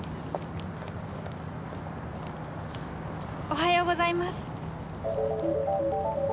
おはようございます。